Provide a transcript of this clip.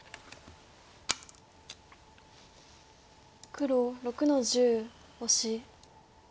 黒６の十オシ。